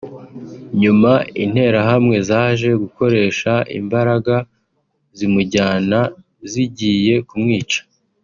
nyuma interahamwe zaje gukoresha imbaraga zimujyana zigiye kumwica